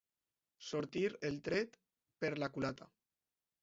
Sortir el tret per la culata.